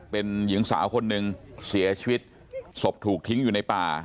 เป็นหญิงสาวคนหนึ่งเสียชีวิตศพถูกทิ้งอยู่ในป่า